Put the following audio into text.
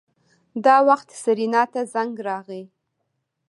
دا وخت سېرېنا ته زنګ راغی.